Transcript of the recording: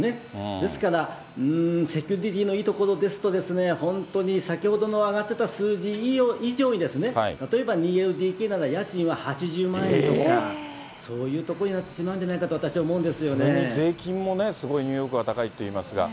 ですから、うーん、セキュリティーのいい所ですと、本当に先ほどの挙がってた数字以上にですね、例えば２ＬＤＫなら家賃は８０万円とか、そういうところになってしまうんじゃないかと、それに税金もすごいニューヨークは高いっていいますが。